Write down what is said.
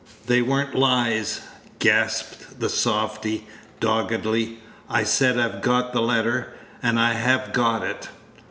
"They were n't lies," gasped the softy, doggedly; "I said I've got the letter, and I have got it.